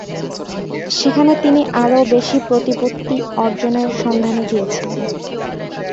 সেখানে তিনি আরও বেশি প্রতিপত্তি অর্জনের সন্ধানে গিয়েছিলেন।